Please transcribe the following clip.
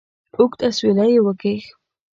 اوږد اسویلی یې وکېښ.